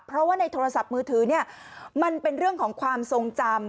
เพราะว่าในโทรศัพท์มือถือเนี่ยมันเป็นเรื่องของความทรงจำ